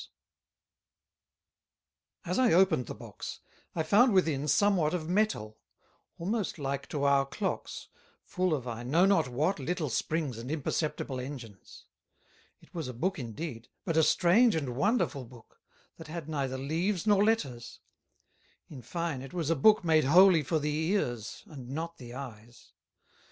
[Sidenote: Books in the Moon] As I opened the Box, I found within somewhat of Metal, almost like to our Clocks, full of I know not what little Springs and imperceptible Engines: It was a Book, indeed; but a Strange and Wonderful Book, that had neither Leaves nor Letters: In fine, it was a Book made wholly for the Ears, and not the Eyes.